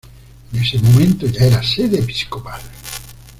En este momento ya era sede episcopal.